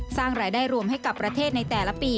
สร้างรายได้รวมให้กับประเทศในแต่ละปี